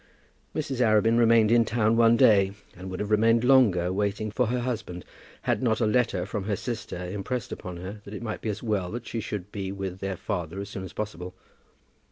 Mrs. Arabin remained in town one day, and would have remained longer, waiting for her husband, had not a letter from her sister impressed upon her that it might be as well that she should be with their father as soon as possible.